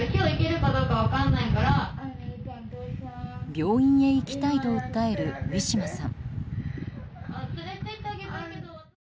病院へ行きたいと訴えるウィシュマさん。